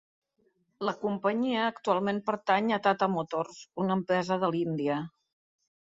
La companyia actualment pertany a Tata Motors, una empresa de l'Índia.